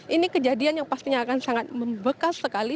ini kejadian yang pastinya akan sangat membekas sekali